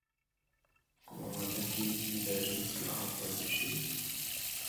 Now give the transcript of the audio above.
په کومه ماده کې اداري اصلاحات واضح شوي دي؟